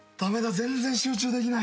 全然集中できない。